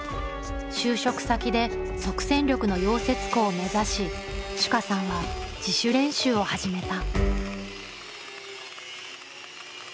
就職先で即戦力の溶接工を目指し珠夏さんは自主練習を始めた。